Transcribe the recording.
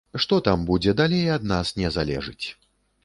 Што там будзе далей, ад нас не залежыць.